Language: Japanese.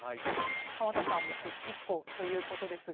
川田さんも「復帰っ子」ということですが。